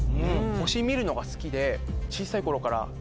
星見るのが好きで小さい頃から。